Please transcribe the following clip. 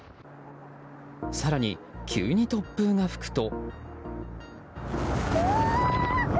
更に急に突風が吹くと。